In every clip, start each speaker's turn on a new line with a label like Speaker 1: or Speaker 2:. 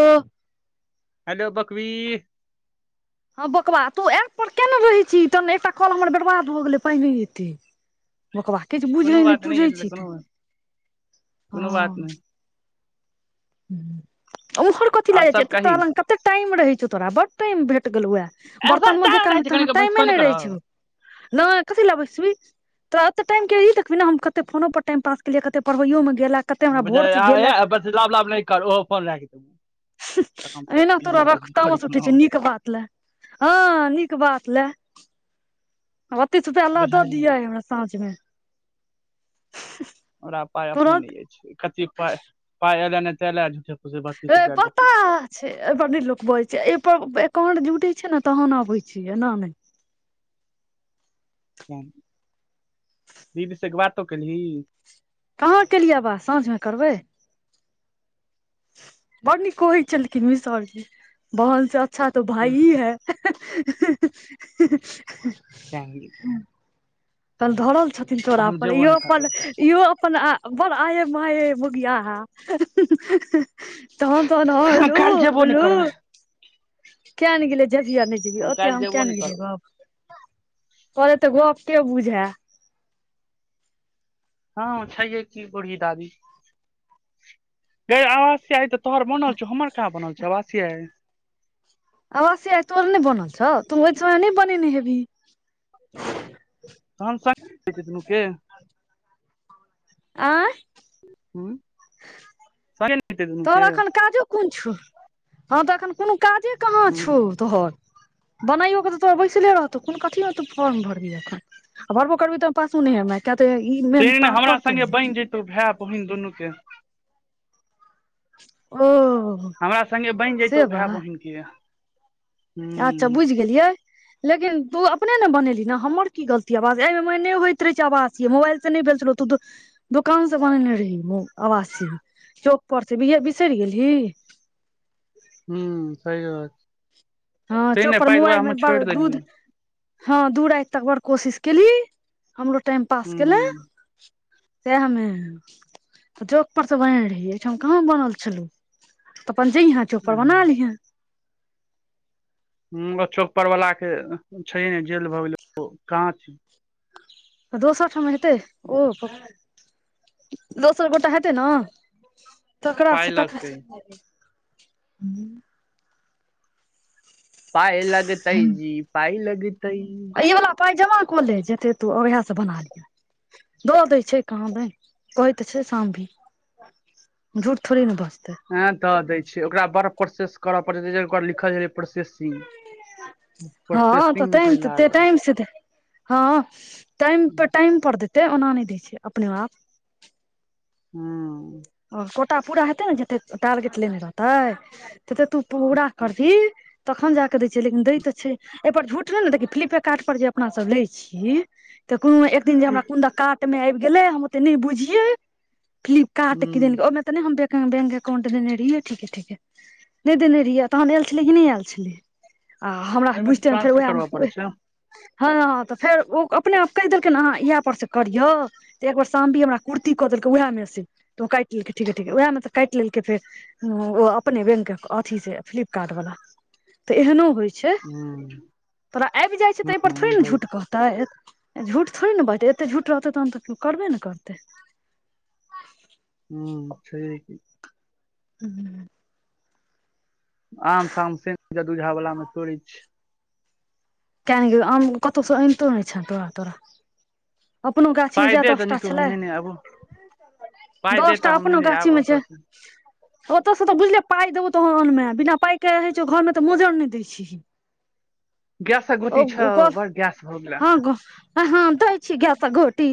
Speaker 1: ओह
Speaker 2: hello बकवी
Speaker 1: हँ बोकबा तू एप पर किया ने रहै छी तह एकटा कल हमर बरबाद भऽ गेलै पहिने एतै बोकबा किछु बुझै
Speaker 2: कोनो
Speaker 1: नहि
Speaker 2: बात
Speaker 1: तुझै
Speaker 2: य
Speaker 1: छी तू
Speaker 2: कोनो कोनो
Speaker 1: हँ
Speaker 2: बात नहि
Speaker 1: हूँ [inaudible] ओमहर कथी
Speaker 2: आर
Speaker 1: लए जाइ छ
Speaker 2: सब
Speaker 1: एत त
Speaker 2: कही
Speaker 1: लग कते टाइम रहै छौ तोरा बड टाइम भेट गेलौ ओएह
Speaker 2: ऐसा
Speaker 1: बर्तनमे
Speaker 2: टाइम
Speaker 1: जेकाँ
Speaker 2: रहै छै कनि
Speaker 1: तोरा टाइमे
Speaker 2: फोन
Speaker 1: नहि रहै छो
Speaker 2: करब
Speaker 1: नए कथी लै बैसबीही तोरा तऽ टाइम के ई देखबिही ने हम केते फोनो पर टाइम पास केलियै केते पढ़ैयो मे गेल ए, कते हमरा
Speaker 2: बुझाए
Speaker 1: भोर से गेल
Speaker 2: एय
Speaker 1: ए,
Speaker 2: आब बेसी लभ लभ नहि कर ओहो फोन राखि दीही
Speaker 1: हूँह एना तोरा रख तामस उठै
Speaker 2: करैमे
Speaker 1: छौ नीक बात लए हँ नीक बात लए ओ तीस रुपैआ लऽ दऽ दिहे
Speaker 2: बुझलियै
Speaker 1: आय हमरा साँझमे [unintelligible]
Speaker 2: हमरा पाइ अपने
Speaker 1: तुरत
Speaker 2: नहि अछि कथि के पाइ एले नहि तेलय आ झूठे फुसे
Speaker 1: ए बताह छै एहि पर लोक नए बजै छैय एय पर फंड जुटै छै ने तहन आबै छियै एना नहि
Speaker 2: दीदी से बातो केलही
Speaker 1: कहाँ केलियै बात साँझमे करबै बड़ नीक कहै छेलखिन मिश्रर जी बहन से अच्छा तो भाइए है ही ही ही ही [inaudible]
Speaker 2: क्या ने गेलियै
Speaker 1: कल ढ़रल छथिन तोरा पर
Speaker 2: जेबो
Speaker 1: इहो
Speaker 2: नहि
Speaker 1: अपन
Speaker 2: करबै
Speaker 1: इहो अपन आ बड़ आहे माहे मोगियाहा तहन तहन हँ हलो
Speaker 2: काल्हि जेबो नहि
Speaker 1: बलो
Speaker 2: करबै
Speaker 1: किया ने गेलैही जबही या नहि जेबहै ओतेक
Speaker 2: काल्हि
Speaker 1: हम
Speaker 2: जेबो
Speaker 1: किया
Speaker 2: नहि
Speaker 1: ने गेलिये
Speaker 2: करबै
Speaker 1: गप्प परय तऽ गप्पे बुझै
Speaker 2: हँ छैहे की बूढ़ी दादी गै आवाज से आइ तऽ तोहर बनल छौ हमर कहाँ बनल छौ आवासीय
Speaker 1: आवासीय तोहर नहि बनल छौ तू ओहि समय नहि बनेने हेबीही
Speaker 2: तहन सक होइ छै दुनूके
Speaker 1: आंइ
Speaker 2: ह सकें
Speaker 1: तोहर एखन काजो कोन छौ हँ तऽ एखन कोनो काजे कहाँ छौ
Speaker 2: हूँ
Speaker 1: तोहर बनाइयओके तऽ तो बैसले रहतौ कोन कथि ले तू फॉर्म भरलीही अखन भरबो करबीही तऽ पासो नहि हेमे किया तऽ ई
Speaker 2: से
Speaker 1: मेन
Speaker 2: ने
Speaker 1: पार
Speaker 2: हमरा
Speaker 1: कर
Speaker 2: संगे
Speaker 1: पहिले
Speaker 2: बनि जैतौ भाय बहिन दुनू के
Speaker 1: ओ
Speaker 2: हमरा सङ्गे बनि जयतो
Speaker 1: से
Speaker 2: भाय
Speaker 1: बात
Speaker 2: बहिन गे
Speaker 1: अच्छा बुझि गेलियै लेकिन तू अपने ने बनेली ने हमर की गलती आवाज एहि मे नहि होइत रहै छै आवासीय मोबाइल से नहि भेल छलौ तू तऽ दुकान से बननेे रहहि ने आवासी चौक पर से बिसरि गेलही कि
Speaker 2: कहि रहल छी
Speaker 1: हँ चौक पर मोबाइल मे बड़ दूध हँ दू राति तक बर कोशिश केलहि हमरो टाइम पास केलैं
Speaker 2: हूँ
Speaker 1: सएहमे तऽ चौक पर से बनेने रहियै एहिठाम से कहाँ बनल छलहु अपन जहिया चौक पर बना
Speaker 2: हूँ
Speaker 1: लिहैं
Speaker 2: हूँ चौकपरवलाके छैये नहि जेल भऽ गेलै ओ कहाँ छै
Speaker 1: दोसर ठाम हेतै ओ प दोसर गोटा हेतै ने
Speaker 2: पाइ
Speaker 1: तकरासे
Speaker 2: लगतै
Speaker 1: तकरासे हू
Speaker 2: पाइ लगतै जी पाइ लग
Speaker 1: ई वला पाइ जमा कऽ ले जेते तू उएहसँ बना लिहें दऽ दै छै कहाँ दनि कहै तऽ छै शामबी झूठ थोड़ी ने बज
Speaker 2: हँ दऽ दै छैै ओकरा बड़ प्रोसेस करय पड़ैत छै ओकर लिखल छलै प्रोसेसिंग
Speaker 1: [unintelligible] हँ
Speaker 2: प्रोसेसिंग
Speaker 1: तऽ
Speaker 2: मे छलै
Speaker 1: टाइम से
Speaker 2: लागल
Speaker 1: त
Speaker 2: हूँ
Speaker 1: टाइम से हँ टाइम पर टाइम पर दे ते ओना नहि दै छै अपने आप
Speaker 2: हम्म
Speaker 1: ओ कोटा पूरा हेतै ने जते टारगेट लेने रहते तते तू पूरा करही तखन जाके करै छै लेकिन दै तऽ छै एहिपर झूठ ने ने देख फ्लिपेकार्ट पर जे अपना सब लै छी तऽ उ एक दिन जे हमरा कोन द कार्ट मे आबि गेले हम ओते नहि बुझियै फ्लिपकार्ट किदिन
Speaker 2: हूँ
Speaker 1: ओहिमे त नहि हम देत बैंक अकाउंट देने रहियै ठीके ठीके नहि देने रहियै तहन आयल छलै कि नहि आयल छलै आ हमरा
Speaker 2: ओहिमे से
Speaker 1: बुझते ने फेर
Speaker 2: ट्रांसफर
Speaker 1: उएहमे
Speaker 2: करबऽ पड़ै
Speaker 1: उहै
Speaker 2: छै हूँ
Speaker 1: हँ तऽ फेर ओ अपने आप कहि देलखिन अहाँ इहय पर से करियो तऽ एगो शामबी हमरा कुर्ती कऽ देल उएह मे से तूं काटि ठीक है ठीक है ठीक है उएहमे तऽ काटि लेलकै फेर ओ अपने बैंक अथि से फ्लिपकार्ट वला तऽ एहनो होइत छै
Speaker 2: हूँ
Speaker 1: तोरा आबि जाइत छै तऽ एहिपर थोड़े ने
Speaker 2: होइ
Speaker 1: झूठ
Speaker 2: छै।
Speaker 1: कहतै झूठ थोड़े ने बैजतै एतेक झूठ रहतै तहन तऽ क्यो करबे ने करतै
Speaker 2: हू छैहे कि
Speaker 1: ह
Speaker 2: आम ताम से दूझावलामे तोरय छी
Speaker 1: कि जानि गेलियौ आम कतहुसँ आनितो नहि छह तोरा तोरा अपनो गाछी मे
Speaker 2: पाइ
Speaker 1: जैह
Speaker 2: दे तऽ
Speaker 1: दसटा
Speaker 2: नीतू हम
Speaker 1: छलै
Speaker 2: नेने आबो पाइ दे
Speaker 1: दस टा
Speaker 2: तऽ हम
Speaker 1: अपना
Speaker 2: नेने आयब
Speaker 1: गाछीमे छै
Speaker 2: ओतऽ से
Speaker 1: ओतयसँ तऽ बुझलिय पाइ देबौ तहन अन्बे बिना पाइ कह रहै छौ घरमे तऽ मोजर नहि दै छी ही
Speaker 2: गैसक गोटी छौ
Speaker 1: ओ कोन
Speaker 2: बड़ गैस भऽ गेला
Speaker 1: हँ आ ह दै छी गाय के गोटी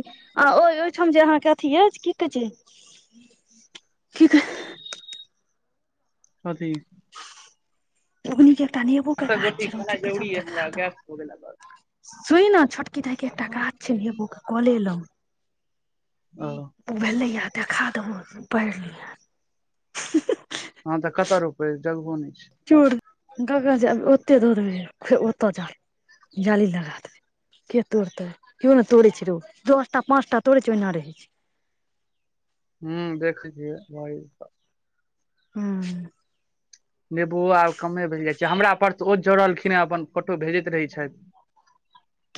Speaker 1: आ ओ ओहिठाम जे अहाँके अथी अछि की कहै छै कि कह
Speaker 2: कथी
Speaker 1: अग्नी क एकटा नेबोक गाछ
Speaker 2: गोटी
Speaker 1: छै रौ
Speaker 2: खेनाइ जरूरी
Speaker 1: चुपेचाप
Speaker 2: अइ हमरा
Speaker 1: देखा
Speaker 2: गैस
Speaker 1: देबू
Speaker 2: भऽ गेला बड़
Speaker 1: सुुनि ना छोटकी दाइके एकटा गाछ छै नेबू के काॅले लग
Speaker 2: ओ
Speaker 1: ओ भेलैए देखा देबौ पढ़ि लियाह
Speaker 2: हँ तऽ कत अ रोपब इ जगहो नहि छै
Speaker 1: चोर गगा जेब ओते दौड़ देबै ओतऽ जा जाली लगा देबै के तोड़तै केओ नहि तोड़ै छै रौ दस टा पाँच टा तोड़ै छै ओहिना रहै छै [inaudible]
Speaker 2: हू देखियलिए भ [inaudible]
Speaker 1: हम्म
Speaker 2: नेबोओ आब कमे भे जाइ छै हमरा पर ओ जोड़लखिन हे अपन फोटो भेजैत रहै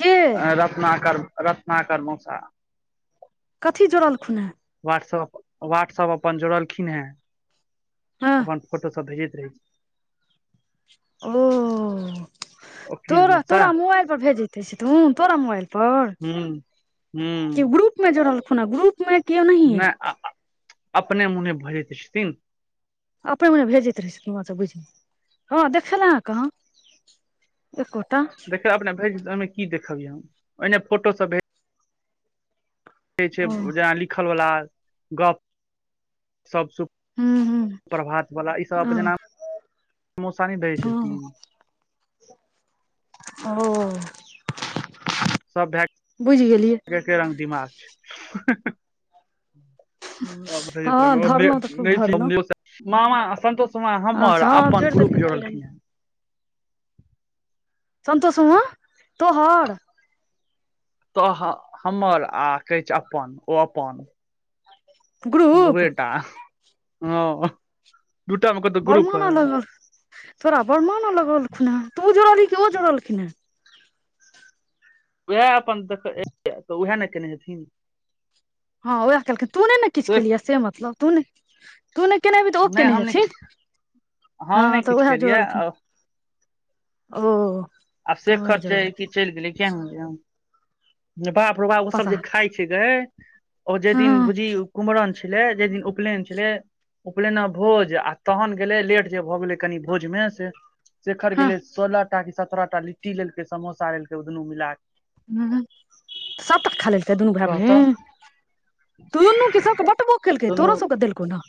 Speaker 1: के
Speaker 2: रतनाकर रतनाकर मउसा
Speaker 1: कथी जोड़लखुन हें
Speaker 2: वाटसप वाटसप अपन जोड़लखिन है
Speaker 1: हँ
Speaker 2: अपन फोटो सब भेजैत रहै [inaudible]
Speaker 1: ओ
Speaker 2: छै ओकील
Speaker 1: तोरा
Speaker 2: मौसा
Speaker 1: तोरा मोबाइल पर भेजते छथुन तोरा मोबाइल पर
Speaker 2: हूं हूं
Speaker 1: त ग्रुपमे जोड़लखुन ग्रुपमे की ओनहिए
Speaker 2: नहि अपने मुने भऽ जाय छथिन
Speaker 1: अपने मुने भेजैत रहै छथि मसभ बुझि हँ देखय लए कहाँ एको
Speaker 2: देखय अपना भेज ओहिमे की देखबयै हम ओहिने फोटोसब भेज कहै छै
Speaker 1: ओ
Speaker 2: जेना लिखलवला गप्प सब सुख
Speaker 1: हूँ हूँ
Speaker 2: प्रभात वला इ सभ
Speaker 1: हँ
Speaker 2: जेना मौसा नहि दै छलखिन
Speaker 1: हँ ओ
Speaker 2: सब भे
Speaker 1: बुझि गेलियै
Speaker 2: के एके रंग दिमाग छै [unintelligible]
Speaker 1: हँ धरलहुँ तऽ खूब धरलहुँ
Speaker 2: तु आ हमर
Speaker 1: अच्छा हँ
Speaker 2: अपन
Speaker 1: जोड़ि
Speaker 2: ग्रुप
Speaker 1: देलखिन तऽ ओहि
Speaker 2: जोड़लखिन
Speaker 1: लए
Speaker 2: हन
Speaker 1: संतोष मामा तोहर
Speaker 2: तोहर हमर आ कहै छै अपन ओ अपन
Speaker 1: ग्रुप
Speaker 2: दूएटा ह
Speaker 1: बर मान लगल तोरा बरमान लगल खुन तू जोड़ लि त उ जोड़लखीन हें
Speaker 2: उएह अपन देख त उएह ने केने हेथिन
Speaker 1: हँ उएह केलखिन तू नहि ने किछ
Speaker 2: शेख
Speaker 1: केलियै से मतलब तू नहि तू नहि केनेबही त ओ
Speaker 2: नहि
Speaker 1: केने
Speaker 2: हम
Speaker 1: हेथिन
Speaker 2: नहि
Speaker 1: हँ
Speaker 2: हम नहि
Speaker 1: त
Speaker 2: किछु
Speaker 1: उएह
Speaker 2: केलियै
Speaker 1: जोड़लखुन ओ
Speaker 2: आब से
Speaker 1: तहन उएह
Speaker 2: खर्चा ह
Speaker 1: जुड़लखिन
Speaker 2: कि चलि गेलै किए नहि बाप रौ बा ओ सब
Speaker 1: पता
Speaker 2: जे
Speaker 1: नहि।
Speaker 2: खाय छै गे ओ जे दिन
Speaker 1: हँ
Speaker 2: बुझी कुमरन छलै जे दिन उपलेन छलै उपलयना भोज आ तहन गेलै लेट जे भ गेलै कनि भोजमे से शेखर
Speaker 1: हँ
Speaker 2: गेलै सोल टा कि सत्रह टा लिट्टी लेलकै समोसा लेलकै ओ दुनू मिलाक
Speaker 1: सब तक खा लतै दुनू भै
Speaker 2: कह तऽ
Speaker 1: बहिन तून्नू क सबके बटबो केलकै
Speaker 2: दुनू
Speaker 1: तोरो सबके देलकौ न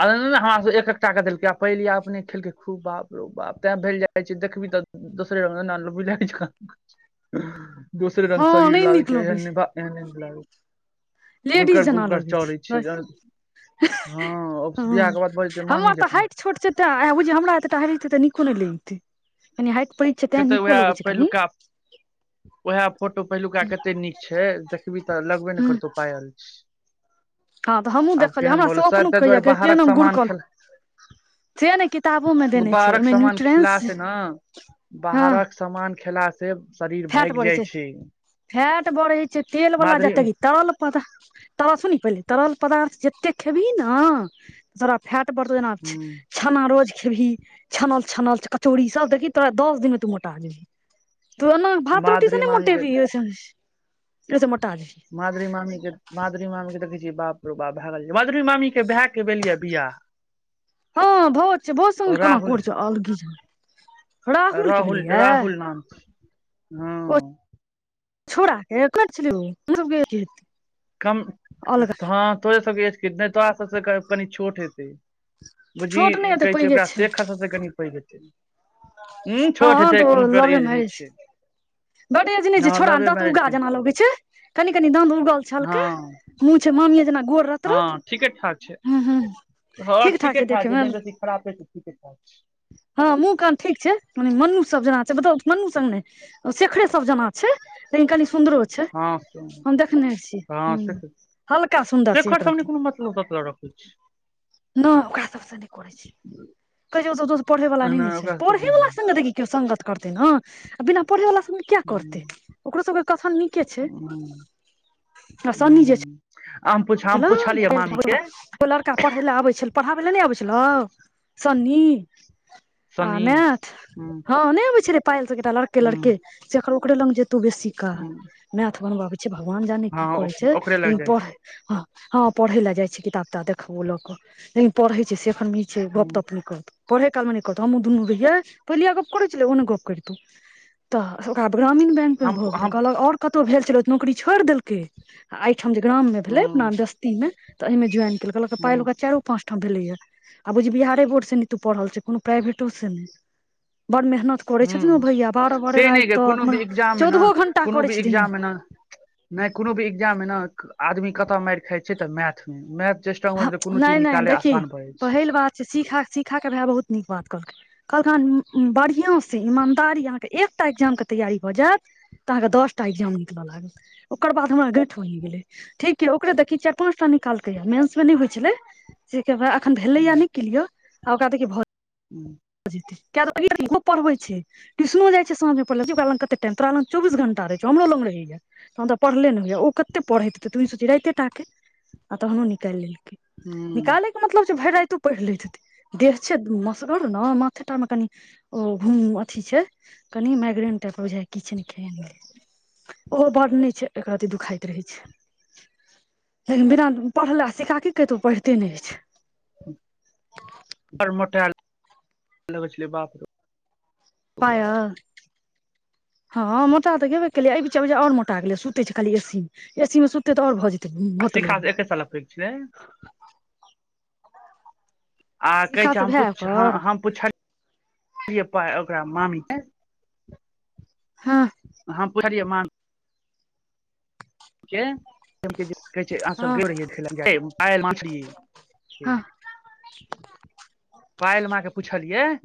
Speaker 2: आ हमरास एकटा के देलकै आ पहिले अपने खेलकै खूब बाप रौ बाप तैं भेल जाइत छै देखबही तब दोसरे रंग न लु बिलाड़ि जेकाँ दोसरे रंग
Speaker 1: हँ
Speaker 2: शरीर
Speaker 1: नहि
Speaker 2: लागे
Speaker 1: नीक
Speaker 2: छै
Speaker 1: लगै
Speaker 2: एहन नहि बा एहन नहि नीक लागे छै
Speaker 1: लेडीज
Speaker 2: गुकर
Speaker 1: जेना
Speaker 2: गुकर
Speaker 1: लगै
Speaker 2: चढ़ै छै हँ
Speaker 1: ह्म
Speaker 2: बियाह के बाद भऽ जेतै मामी
Speaker 1: हमर त
Speaker 2: जकाँ
Speaker 1: हाइट छोट छै तै एहे बुझियै हमरा एत टा हेबहि तु त नीको नहि लैतै कनि हाइट पैघ छै तें
Speaker 2: फेर तऽ
Speaker 1: नीको
Speaker 2: उएह
Speaker 1: लगै छै कनि
Speaker 2: पहिलुका उएह फोटो पहिलुका कते नीक छै देखबही त लगबे ने
Speaker 1: हँ
Speaker 2: करतौ पायल छ
Speaker 1: हँ तऽ हमहूँ
Speaker 2: आब
Speaker 1: देखलियै
Speaker 2: केहन
Speaker 1: हमरा
Speaker 2: भलौ
Speaker 1: से
Speaker 2: शायद
Speaker 1: अपनो
Speaker 2: ताहि
Speaker 1: कहैया
Speaker 2: दुआरे
Speaker 1: केहन
Speaker 2: बाहरक
Speaker 1: हम
Speaker 2: समान
Speaker 1: गुड़कल
Speaker 2: खेल
Speaker 1: से ने किताबो मे देने छै
Speaker 2: बाहरक
Speaker 1: ओहिमे
Speaker 2: समान
Speaker 1: न्यूट्रेंस
Speaker 2: खेलास न
Speaker 1: हँ
Speaker 2: बाहरक सामान खेला से शरीर भागि जाइ छै
Speaker 1: बढ़े छै तेल बला
Speaker 2: माधुरी
Speaker 1: जते तरल पदार्थ तरल सुनी पहिले तरल पदार्थ जते खेबही न जरा फैट बढ़तौ जेना छेना रोज खेबही छनल छनल कचौड़ी सब देखही तोरा दस दिन मे तू मोटा जेबही तू एना भात रोटी से
Speaker 2: माधुरी
Speaker 1: नहि
Speaker 2: मामी के
Speaker 1: मोटेभी ओसे ओसे मोट
Speaker 2: मादुरी मामी के मादुरी मामी के देखै छियै बाप रू बाप भए गेल मधुरी मामी के भए भेलिय
Speaker 1: हँ भोज छै भोज
Speaker 2: बिआह
Speaker 1: संगे केना
Speaker 2: राहुल
Speaker 1: कोढ़ छौ अलगी जेना के
Speaker 2: राहुल
Speaker 1: भेलियै
Speaker 2: राहुल नाम छै हँ
Speaker 1: छोड़ा के क्लर्क छले ओ उम्रो छलै
Speaker 2: कम हँ तोेरे सबके एज के नहि तोरा सबसँ कनि छोट हेतै बुझी
Speaker 1: छोट नहि हेतै
Speaker 2: कहै छै
Speaker 1: पैघे
Speaker 2: ओकरा शेखर सबसँ से कनि पैघ हेतै हूं
Speaker 1: हँ
Speaker 2: छोट हेतै कोनो
Speaker 1: त
Speaker 2: ओकर
Speaker 1: लवहे
Speaker 2: एज नहि
Speaker 1: मैरज छै बड एज नहि छै
Speaker 2: हँ
Speaker 1: छौड़ा
Speaker 2: लवे
Speaker 1: दंत
Speaker 2: मैरेज
Speaker 1: उगा जेना
Speaker 2: केलखिन
Speaker 1: लगैत छै कनी कनी दाँत उगल छल
Speaker 2: हँ
Speaker 1: रत
Speaker 2: हँ ठीके ठाक छै
Speaker 1: हूँ हूँ
Speaker 2: हँ
Speaker 1: ठीक
Speaker 2: ठीके ठाक
Speaker 1: देखे
Speaker 2: छै
Speaker 1: मे
Speaker 2: नहि बेसी खराबे छै ठीके ठाक छै
Speaker 1: हँ मुँह कान ठीक छै मनु सब जेना छै मनु सन नहि शेखरे सब जेना छै लेकिन कनी सुन्दरो छै
Speaker 2: हँ
Speaker 1: हम देखने छियै ह
Speaker 2: हँ से
Speaker 1: हल्का सुन्दर छै
Speaker 2: शेख
Speaker 1: एक
Speaker 2: हसन नहि
Speaker 1: रति
Speaker 2: कोनो मतलब ततलब रखै छै
Speaker 1: नहि ओकरा सबसँ नहि करै छैै कहय छै उ सब दोस्त पढ़ै पढ़ै वला नहि
Speaker 2: एना
Speaker 1: ने छै
Speaker 2: ओकरा सब
Speaker 1: पढ़ै
Speaker 2: हूँ
Speaker 1: वला से न देखि क्यो सङ्गत करते ने बिना पढ़े वला कियै करतै ओकरो सबके कथन नीके छै आ सनी जे छै
Speaker 2: हम पूछ हम पुछलियै मामी के
Speaker 1: लड़का पढ़ै ले आबै छल पढ़ा पहिले नहि अबै छलौ सनी आ
Speaker 2: सनी
Speaker 1: मैथ
Speaker 2: हूं
Speaker 1: हँ नहि अबै छलै पायल सब के साथ लड़के
Speaker 2: हूं
Speaker 1: लड़के जेकर ओकरे लग जेते तो बेसी कह
Speaker 2: हूं
Speaker 1: मैथ बनबाबै छै भगवान जाने
Speaker 2: हँ
Speaker 1: की करय
Speaker 2: ओकरे
Speaker 1: छै
Speaker 2: लग जाइ
Speaker 1: पढ़े
Speaker 2: छै
Speaker 1: हँ हँ पढ़े लए जाइ छी किताब ताब देखबो लऽ क लेकिन पढ़े छै से फुनगी छै गप
Speaker 2: हूं
Speaker 1: तप न करतो पढ़े कालमे नहि करतहु हमँ दुनू रहियै पयलीया गप करै छलै ओ ने गप करितहु तऽ ओकरा ग्रामीण बैंक मे
Speaker 2: हम
Speaker 1: भऽ गेले
Speaker 2: हम
Speaker 1: कहलक आओर कतौ भेल छलो नोकरी छोड़ि देलके एहिठाम जे ग्राम मे भेले अपना
Speaker 2: हूं
Speaker 1: दस्ती मे तऽ एहि मे ज्वाइन केलक के पायल
Speaker 2: हूं
Speaker 1: ओकरा चारि ओ पाच ठाम भेले यै आ बुझि बिहारे बोर्डसँ नीतू पढ़ल छै कोनो प्राइभेटोसँ नहि बड़ मेहनत करै छथिन ओ
Speaker 2: हूं
Speaker 1: भैया बारह बारह
Speaker 2: से नहि
Speaker 1: राति
Speaker 2: गे कोनो
Speaker 1: तक
Speaker 2: भी
Speaker 1: मने
Speaker 2: एग्जाम मे ने
Speaker 1: चौदहो घण्टा
Speaker 2: कोनो भी
Speaker 1: करय छथिन
Speaker 2: एग्जाम मे ने नहि कोनो भी एग्जाम मे ने आदमी कत मारि खाइत छै तऽ मैथ मे मैथ जे स्ट्रांग
Speaker 1: हँ
Speaker 2: मारि कोनो चीज
Speaker 1: नहि नहि
Speaker 2: निकाले
Speaker 1: देखी
Speaker 2: आसान भऽ जाइ
Speaker 1: पहिल बात छै सीखा सीखा कऽ भाय बहुत नीक बात कहलकै कहलकख हन बढ़िया से ईमानदारी अहाँके एकटा एग्जाम के तैयारी भऽ जायत तऽ अहाँके दसटा एग्जाम निकल लागल ओकर बाद हमरा गठ बनि गेलै ठीके ओकरे देखही चार पाँचटा निकालके मेंस नहि होइ छलै तै के बाद एखन भेलैयै नहि किल्यिर आ ओकरा देखि भऽ जेतै कियै कि उहो देखि पढ़बै छै ट्यूशनो जाइ छै साझमे पढेलै बुझि ओकरा लग कते टाइम तोरा लग चौबीस घंटा हमरो लग रहैया हम त पढ़ले ने होय यै ओ कते पढ़ैत हेतै तूं ही सोचहीं राइते टा के आ तहनो निकालि लेल निकालै के मतलब छै भरि राति पढ़ि लैत ह देह छै मसरल ने माथेटा मे कनि ओ घुम अथी छै कनि माग्रें टाइप बुझा छै कि छै ने कहि ओहो बड़ नहि छै एक रति दुखाइत रहै छै लेकिन बिना पढ़ल सिखा की कहितो पढ़िते नहि छै
Speaker 2: पहिले बड मोटैलो छलै बाप रे
Speaker 1: पायल हँ मोटा तऽ गेबे केलेयै एहि बीच आर मोटा गेले सुते छै खाली एसी मे एसी मे सुततै तऽ आओर भऽ जेते भत
Speaker 2: शिखा से
Speaker 1: लोड़ही
Speaker 2: एके साल पैघ छलै आ कहै
Speaker 1: शिखा
Speaker 2: छै
Speaker 1: से भए
Speaker 2: हमपुछ हॅं
Speaker 1: ओकर
Speaker 2: हम पुछलि हम पुछलियै ओकरा मामी के
Speaker 1: हँ
Speaker 2: पुछलिए मा [unintelligible]
Speaker 1: हँ हँ
Speaker 2: पायल माँ के पुछलियै